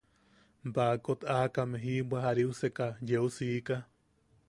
Baakot aakame jiʼibwa jariuseka yeu siika.